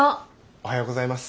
おはようございます。